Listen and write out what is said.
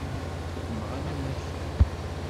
Xeddmeɣ am wakli!